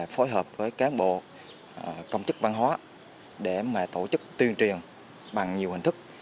phối hợp với các bộ công chức văn hóa để mà tổ chức tuyên truyền bằng nhiều hình thức